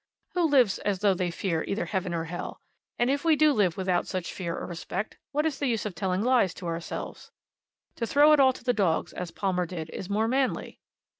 Who lives as though they fear either heaven or hell? And if we do live without such fear or respect, what is the use of telling lies to ourselves? To throw it all to the dogs, as Palmer did, is more manly."